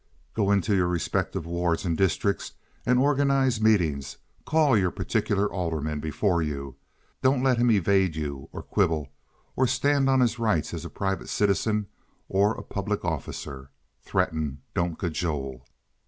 Go into your respective wards and districts and organize meetings. Call your particular alderman before you. Don't let him evade you or quibble or stand on his rights as a private citizen or a public officer. Threaten—don't cajole.